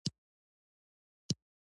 خولۍ د کلتوري ارزښت یوه نښه ده.